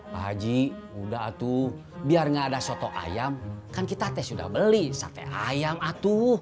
pak haji udah atuh biar gak ada sotok ayam kan kita tes udah beli sate ayam atuh